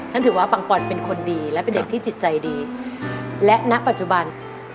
ถือว่าปังปอนเป็นคนดีและเป็นเด็กที่จิตใจดีและณปัจจุบัน